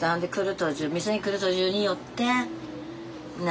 途中店に来る途中に寄ってね？